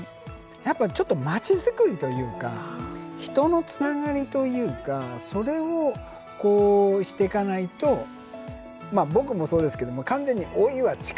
やっぱちょっと町作りというか人のつながりというかそれをしてかないとまあ僕もそうですけど完全に老いは近づいてきてるわけで。